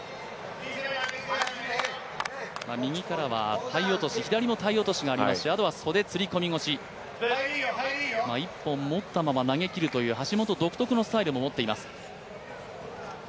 右からは体落、左も体落がありますし、あとは袖釣り込み腰、一本持ったまま投げきるという橋本独特のスタイルを持っています。